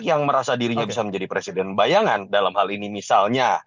yang merasa dirinya bisa menjadi presiden bayangan dalam hal ini misalnya